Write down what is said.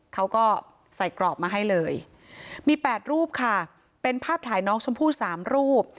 เขาก็ใส่กรอบมาให้เลยมี๘รูปค่ะเป็นภาพถ่ายน้องชมพู่๓รูป